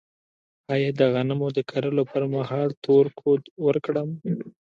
آیا د غنمو د کرلو پر مهال تور کود ورکړم؟